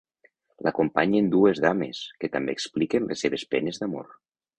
L'acompanyen dues dames, que també expliquen les seves penes d'amor.